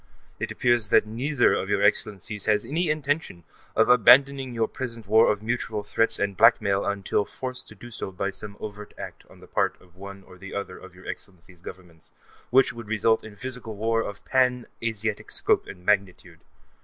It appears that neither of your Excellencies has any intention of abandoning your present war of mutual threats and blackmail until forced to do so by some overt act on the part of one or the other of your Excellencies' Governments, which would result in physical war of pan Asiatic scope and magnitude.